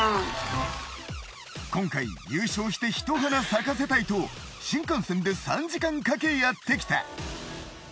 今回優勝して一花咲かせたいと新幹線で３時間かけやってきた。